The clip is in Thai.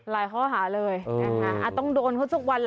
หลายข้อหาเลยอาจต้องโดนเขาทุกวัน